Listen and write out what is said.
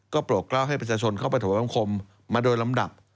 ก็โปรดกล้าวให้ประชาชนเข้าไปถวายบังคมมาโดยลำดับ